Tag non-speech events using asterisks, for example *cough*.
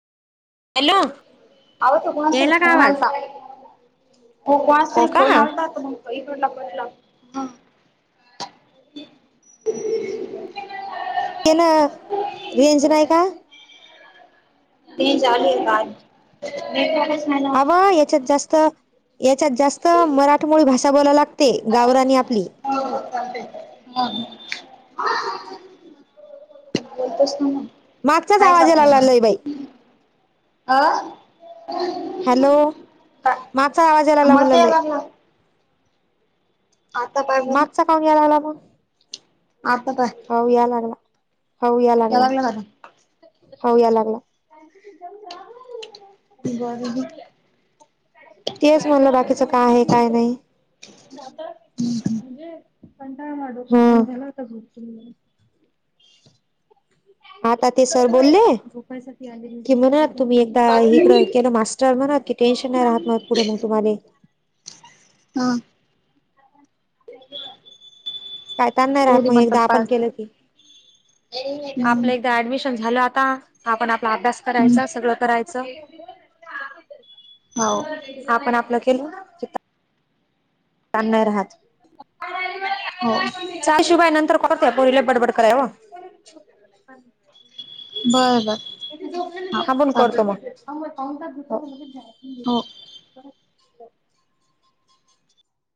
अवो तो कोणाच तरी फोन आलता. ओ कोणाचा तरी फोन अल्ता तुम्हांला इकडला कुडला. न रेंज नाई का? रेंज आलीय का? नेटवर्कच नाही ना. अवा याच्यात जास्त, याच्यात जास्त, मराठीमोळी भाषा बोलायला ला गते गावरानी आपली. *unintelligible* *inaudible* बोलतोस का नाय? मागचाच आवाज यायला लागलंय बाई. अं? हॅलो मागचा आवाज यायला क् लागला मागचा म्हणलं लय यायला लागला? आता पाय मग, मागचा काऊन यायला लागला आता पाय. पाऊ या लागला, पाऊ या याय लागला. का आता? पाऊ या लागला. *unintelligible* तेच म्हणलं बाकीच काय आहे काय नाही? *unintelligible* ह्म. आता ते सर बोलले *inaudible* की म्हणा तुम्ही एक हा इकडं केलं मास्टर म्हणा कि, टेन्शन नई राहत माग पुढ मग तुम्हाला. हां. काय तान नहीं राहत पोरी मग म्हणतात एकदा, आपण पाच केलं की. हम्म. आपल्या इथं ऍडमिशन झालं आता आपण आपला अभ्यास हम्म करायचा सगळं करायचं. हो आपण आपलं केल *unintelligible* ताण नाही राहत. हो सासूबाई नंतर कोणत्या पोरीला बडबड कराय ओ. बरं बरं हा बंद करतो मग. हो.